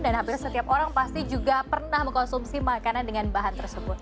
dan hampir setiap orang pasti juga pernah mengkonsumsi makanan dengan bahan tersebut